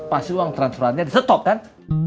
pasti uang transferannya di stop kan